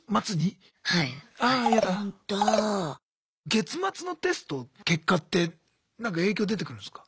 月末のテストの結果ってなんか影響出てくるんすか？